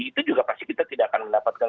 itu juga pasti kita tidak akan mendapatkan